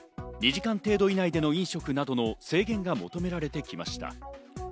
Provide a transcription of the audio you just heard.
２時間程度以内での飲食などの制限が求められてきました。